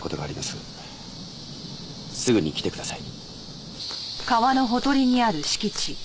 すぐに来てください。